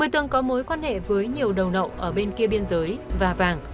một mươi tường có mối quan hệ với nhiều đầu nậu ở bên kia biên giới và vàng